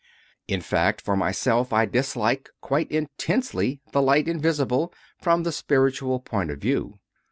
In fact, for myself, I dislike, quite intensely, "The Light Invisible," from the spiritual point of view.